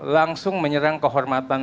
langsung menyerang kehormatan